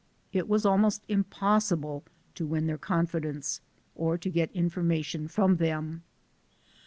It was almost impossible to win their confidence, or to get information from them.